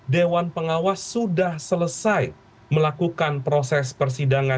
dewan pengawas sudah selesai melakukan proses persidangan